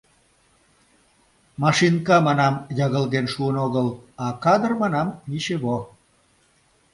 — Машинка, манам, ягылген шуын огыл, а кадр, манам, ничего...